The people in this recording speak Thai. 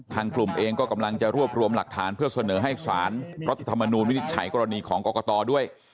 กลุ่มเองก็กำลังจะรวบรวมหลักฐานเพื่อเสนอให้สารรัฐธรรมนูญวินิจฉัยกรณีของกรกตด้วย